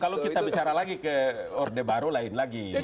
kalau kita bicara lagi ke orde baru lain lagi